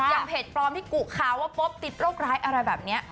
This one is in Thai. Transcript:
เพจปลอมที่กุข่าวว่าพบติดโรคร้ายอะไรแบบนี้